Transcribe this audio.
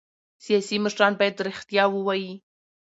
سیاسي مشران باید رښتیا ووايي